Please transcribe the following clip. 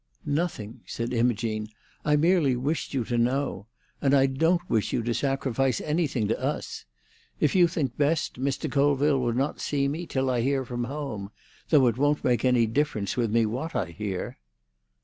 "Nothing," said Imogene. "I merely wished you to know. And I don't wish you to sacrifice anything to us. If you think best, Mr. Colville will not see me till I hear from home; though it won't make any difference with me what I hear."